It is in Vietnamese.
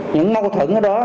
những mâu thuẫn ở đó